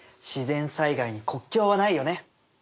自然災害に国境はないよね！